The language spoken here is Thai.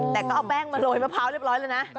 แต่ก็เอาแป้งมาโรยมะพร้าวเรียบร้อยเลยนะ